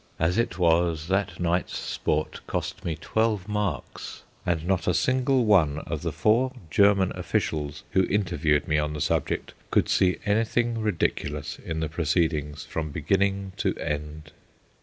As it was, that night's sport cost me twelve marks; and not a single one of the four German officials who interviewed me on the subject could see anything ridiculous in the proceedings from beginning to end.